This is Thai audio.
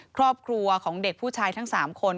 ครอบครัวของเด็กผู้ชายทั้ง๓คน